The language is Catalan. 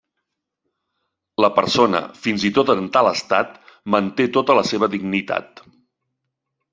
La persona, fins i tot en tal estat, manté tota la seva dignitat.